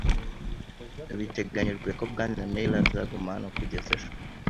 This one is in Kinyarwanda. Biteganijwe ko Bwana Mailer azaguma hano kugeza ejo.